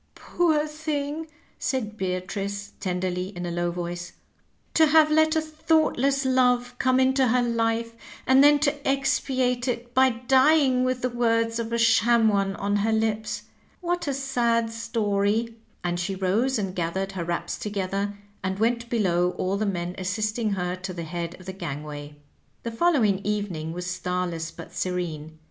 " Poor thing I " said Beatrice tenderly, in a low voice ;" to have let a thoughtless love come into her life, and then to expiate it by dying with the words of a sham one on her lips. What a sad story I " And she rose and gathered her wraps together and went below, all the men assisting her to the head of the gangway. The following evening was starless but serene.